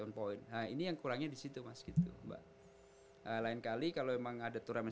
one point nah ini yang kurangnya di situ mas gitu mbak lain kali kalau emang ada turnamen